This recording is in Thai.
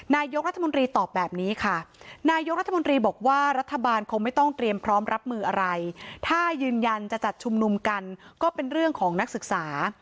นายกรัฐมนตรีตอบแบบนี้ค่ะนายกรัฐมนตรีบอกว่ารัฐบาลคงไม่ต้องเตรียมพร้อมรับมืออะไรถ้ายืนยันจะจัดชุมนุมกันก็เป็นเรื่องของนักศึกษา